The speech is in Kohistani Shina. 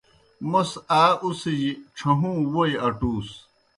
موْس آ اُڅِھجیْ ڇھہُوں ووئی اٹُوس۔